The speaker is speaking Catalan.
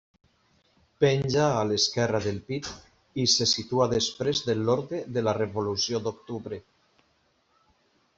Penja a l'esquerra del pit i se situa després de l'Orde de la Revolució d'Octubre.